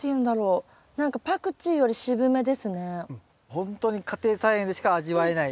ほんとに家庭菜園でしか味わえない